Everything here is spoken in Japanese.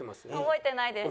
覚えてないです。